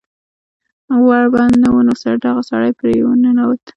ور بند نه و نو دغه سړی پې ور ننوت